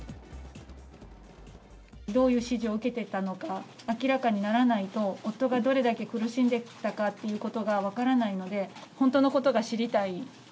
どういう指示を受けていたのか明らかにならないと夫がどれだけ苦しんできたかということが分からないので、本当のことが知りたい。